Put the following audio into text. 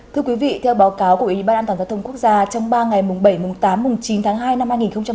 thưa quý vị theo báo cáo của ủy ban an toàn giao thông quốc gia trong ba ngày bảy tám chín tháng hai năm hai nghìn hai mươi